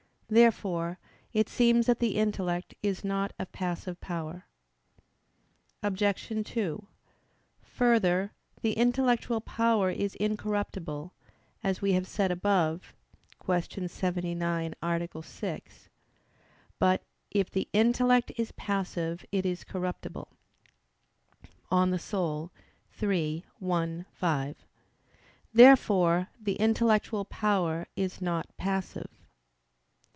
Therefore it seems that the intellect is not a passive power. Obj. 2: Further, the intellectual power is incorruptible, as we have said above (Q. 79, A. 6). But "if the intellect is passive, it is corruptible" (De Anima iii, 5). Therefore the intellectual power is not passive.